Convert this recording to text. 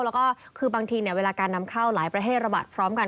แล้วก็คือบางทีเวลาการนำเข้าหลายประเทศระบาดพร้อมกัน